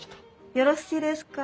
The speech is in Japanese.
よろしいですか？